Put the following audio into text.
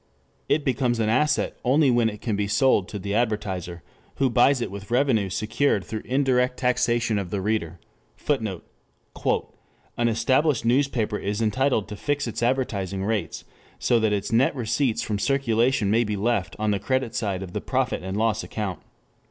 It becomes an asset only when it can be sold to the advertiser, who buys it with revenues secured through indirect taxation of the reader. [Footnote: "An established newspaper is entitled to fix its advertising rates so that its net receipts from circulation may be left on the credit side of the profit and loss account.